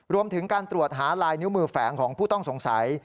รวมถึงการตรวจหาลายนิ้วมือแฝงของผู้ต้องสงสัย